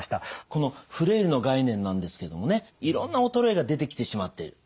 このフレイルの概念なんですけどもねいろんな衰えが出てきてしまっている。